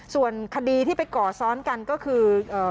ส่วนคดีที่ไปก่อซ้อนกันก็คือ